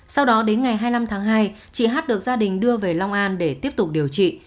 sau đó đến ngày hai mươi năm tháng hai chị hát được gia đình đưa về long an để tiếp tục điều trị